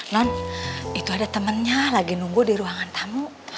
non itu ada temannya lagi nunggu di ruangan tamu